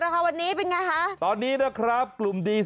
ก็ยังดี